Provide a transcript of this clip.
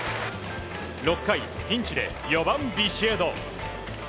６回、ピンチで４番、ビシエド。